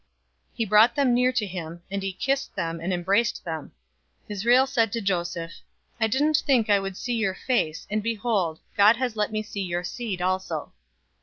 He brought them near to him; and he kissed them, and embraced them. 048:011 Israel said to Joseph, "I didn't think I would see your face, and behold, God has let me see your seed also."